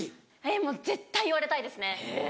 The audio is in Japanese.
もう絶対言われたいですね。